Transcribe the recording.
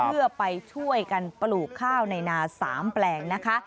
เพื่อไปช่วยกันปลูกข้าวในนา๓แปลงนะคะ